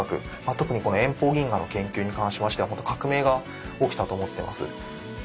特にこの遠方銀河の研究に関しましてはほんと革命が起きたと思ってます。